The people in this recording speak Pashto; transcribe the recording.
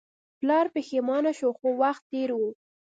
پلار پښیمانه شو خو وخت تیر و.